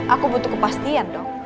aku butuh kepastian dong